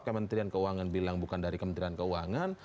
kementerian keuangan bilang bukan dari kementerian keuangan